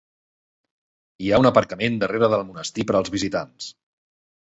Hi ha un aparcament darrere del monestir per als visitants.